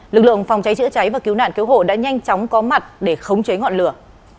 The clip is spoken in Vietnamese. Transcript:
lực lượng phòng cháy chữa cháy và cứu nạn cứu hộ đã nhanh chóng có mặt để khống chế ngọn lửa